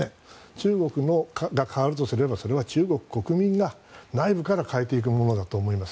中国が変わるとすればそれは中国国民が内部から変えていくものだと思います。